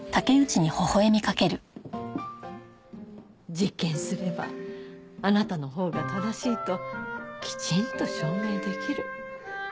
実験すればあなたのほうが正しいときちんと証明できる。